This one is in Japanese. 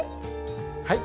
はい。